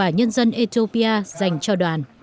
nhân dân ethiopia dành cho đoàn